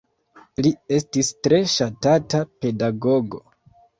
Li estis tre ŝatata pedagogo.